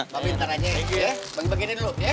mbak bintar aja ya bagi bagiin dulu ya